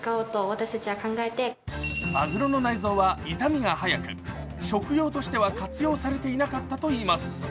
まぐろの内臓は傷みが早く、食用としては活用されていなかったといいます。